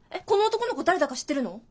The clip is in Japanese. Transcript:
この男の子誰だか知ってるの？